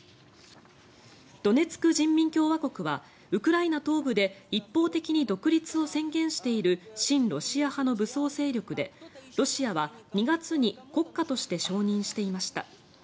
ドネツク人民共和国はウクライナ東部で一方的に独立を宣言している親ロシア派の武装勢力でロシアは２月に国家として承認していました。